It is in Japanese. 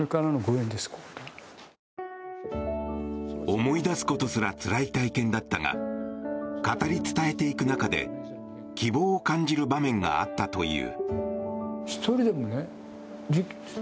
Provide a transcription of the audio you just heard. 思い出すことすらつらい体験だったが語り伝えていく中で希望を感じる場面があったという。